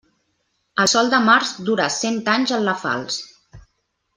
El sol de març dura cent anys en la falç.